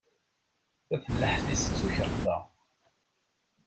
Tafellaḥt-is d tukarḍa.